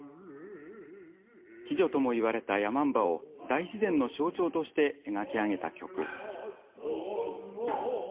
鬼女ともいわれた山姥を大自然の象徴として描き上げた曲。